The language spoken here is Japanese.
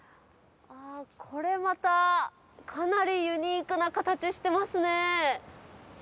これまた、かなりユニークな形してますね。